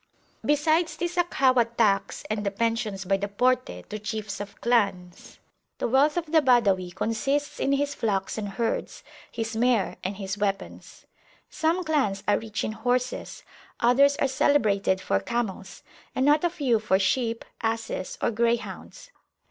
Besides this Akhawat tax and the pensions by the Porte to chiefs of clans, the wealth of the Badawi consists in his flocks and herds, his mare, and his weapons. Some clans are rich in horses; others are celebrated for camels; and not a few for sheep, asses, or greyhounds.